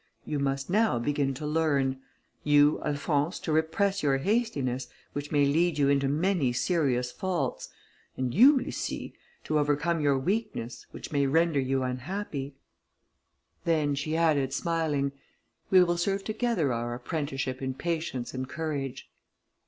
You must now begin to learn, you, Alphonse, to repress your hastiness, which may lead you into many serious faults, and you, Lucie, to overcome your weakness, which may render you unhappy." Then she added, smiling, "We will serve together our apprenticeship in patience and courage."